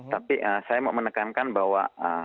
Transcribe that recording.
tapi saya mau menekankan bahwa